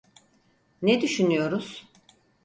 Ne düşünüyoruz?